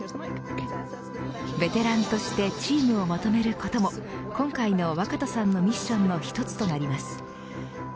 ベテランとしてチームをまとめることも今回の若田さんのミッションの１つとなります。